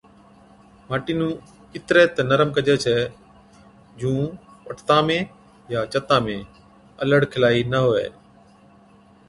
ماٽِي نُون اِترَي تہ نرم ڪجَي ڇَي جُون پٽتان ۾ يان چتان ۾ الڙکلائِي نہ هُوَي۔